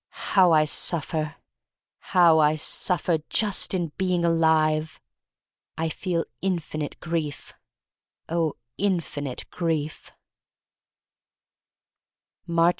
How I suffer, how I suffer — ^just in being alive. I feel Infinite Grief. Oh, Infinite Grief Aatcb 2.